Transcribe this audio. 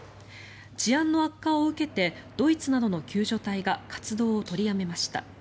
治安の悪化を受けてドイツなどの救助隊が活動を取りやめました。